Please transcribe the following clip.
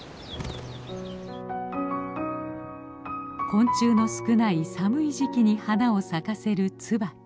昆虫の少ない寒い時期に花を咲かせるツバキ。